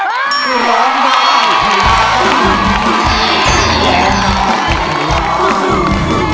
ร้องได้ให้ร้าน